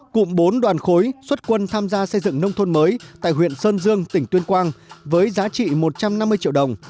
cụm bốn đoàn khối xuất quân tham gia xây dựng nông thôn mới tại huyện sơn dương tỉnh tuyên quang với giá trị một trăm năm mươi triệu đồng